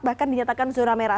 bahkan dinyatakan zona merah